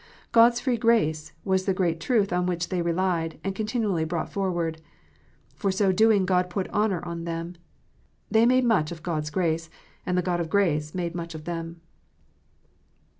God s free grace was the great truth on which they relied, and continually brought forward. For so doing God put honour on them. They made much of God s grace, and the God of grace made much of them.